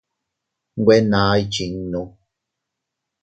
Nwe naa ikchinnu.